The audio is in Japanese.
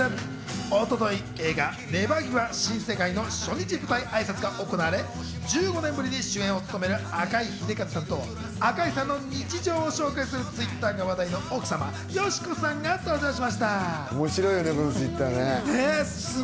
一昨日、映画『ねばぎば新世界』の初日舞台挨拶が行われ、１５年ぶりに主演を務める赤井英和さんと赤井さんの日常を紹介するＴｗｉｔｔｅｒが話題の奥様・佳子さんが登場しました。